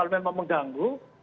kalau memang mengganggu